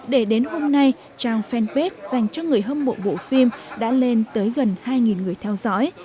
để đến hôm nay trang fanpage dành cho người hâm mộ bộ phim đã lên tới gần hai người theo dõi